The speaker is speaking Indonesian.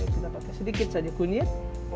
kita pakai sedikit saja kunyit